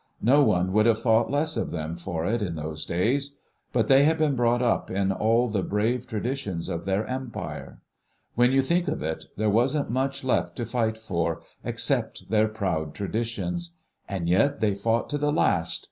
No one would have thought less of them for it in those days. But they had been brought up in all the brave traditions of their Empire.... When you think of it, there wasn't much left to fight for, except their proud traditions. And yet they fought to the last